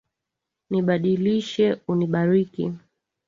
Nibadilishe unibariki.